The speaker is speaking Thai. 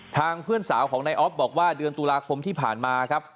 เพื่อนสาวของนายอ๊อฟบอกว่าเดือนตุลาคมที่ผ่านมาครับ